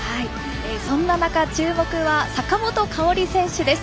そんな中、注目は坂本花織選手です。